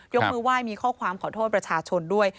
ยกมือไหว้มีข้อความขอโทษประชาชนด้วย